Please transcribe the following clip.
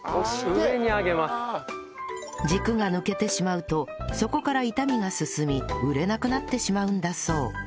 軸が抜けてしまうとそこから傷みが進み売れなくなってしまうんだそう